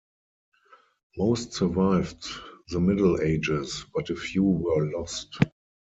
Most survived the Middle Ages, but a few were lost.